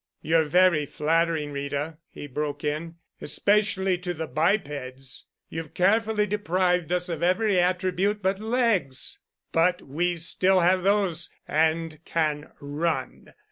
"You're very flattering, Rita," he broke in, "especially to the bipeds. You've carefully deprived us of every attribute but legs. But we still have those—and can run."